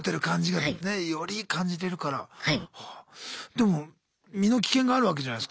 でも身の危険があるわけじゃないすか。